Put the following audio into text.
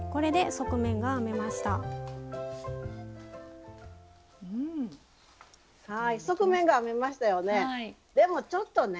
側面が編めましたよね。